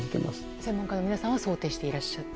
専門家の皆さんは想定していらっしゃった。